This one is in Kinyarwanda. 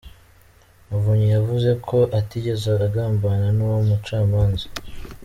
Muvunyi yavuze ko atigeze agambana n’uwo mucamanza.